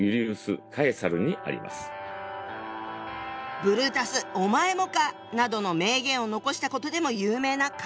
「ブルータスお前もか」などの名言を残したことでも有名な彼。